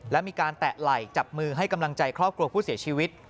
และมีการแตะไหล่จับมือให้กำลังใจครอบครัวผู้เสียชีวิต